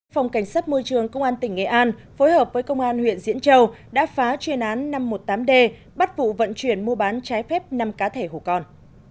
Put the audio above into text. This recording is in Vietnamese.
phòng cảnh sát môi trường công an tỉnh nghệ an phối hợp với công an huyện diễn châu đã phá chuyên án năm trăm một mươi tám d bắt vụ vận chuyển mua bán trái phép năm cá thể hổ con